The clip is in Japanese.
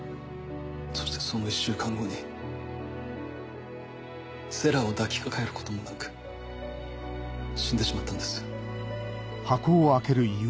そしてその１週間後に星来を抱きかかえることもなく死んでしまったんです。